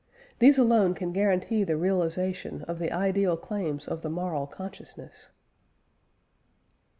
These alone can guarantee the realisation of the ideal claims of the moral consciousness.